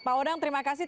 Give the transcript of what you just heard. pak odang terima kasih